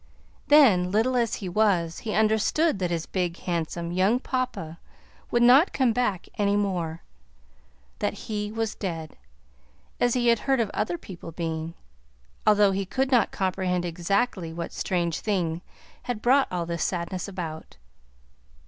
Then, little as he was, he understood that his big, handsome young papa would not come back any more; that he was dead, as he had heard of other people being, although he could not comprehend exactly what strange thing had brought all this sadness about.